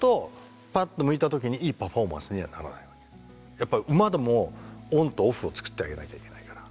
やっぱり馬でもオンとオフを作ってあげなきゃいけないから。